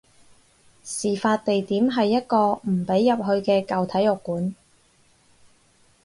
事發地點係一個唔俾入去嘅舊體育館